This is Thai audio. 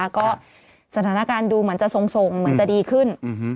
ก็สถานการณ์ดูเหมือนจะทรงเหมือนจะดีขึ้น